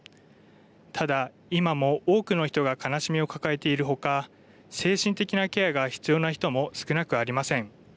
ただ今も多くの人が悲しみを抱えているほか精神的なケアが必要な人も少なくありません。